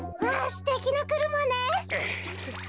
すてきなくるまね。